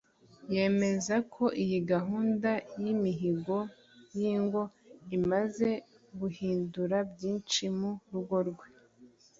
Yemeza ko iyi gahunda y'imihigo y'ingo imaze guhindura byinshi mu rugo rwe,